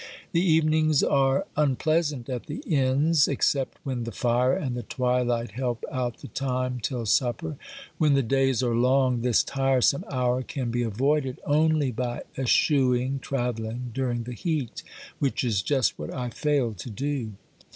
The evenings are unpleasant at the inns, except when the fire and the twilight help out the time till supper. When the days are long, this tiresome hour can be avoided only by eschewing travelling during the heat, which is just what I failed to do.